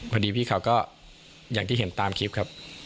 พอดีพี่เขาก็อย่างที่เห็นตามคลิปครับ